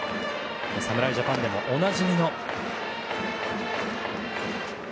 侍ジャパンでもおなじみの。